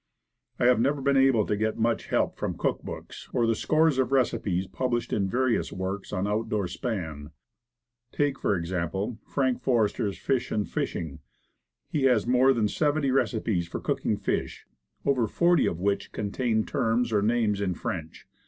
92 Woodcraft, I have never been able to get much help from cook books, or the scores of receipts published in various works on out door sport. Take, for example, Frank Forester's "Fish and Fishing." He has more than seventy receipts for cooking fish, over forty of which contain terms or names in French.